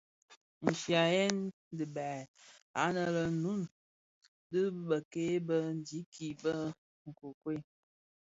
Nshyayèn dhibaï ane lè Noun dhi bikei bi ndikinimiki bi nkokuel.